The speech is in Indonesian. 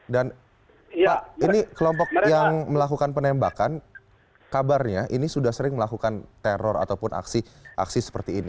dan pak ini kelompok yang melakukan penembakan kabarnya ini sudah sering melakukan teror ataupun aksi aksi seperti ini